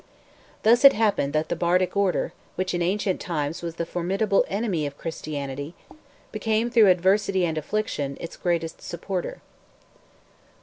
Thus it happened that the bardic order, which in ancient times was the formidable enemy of Christianity, became, through adversity and affliction, its greatest supporter.